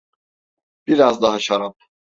Biraz daha şarap?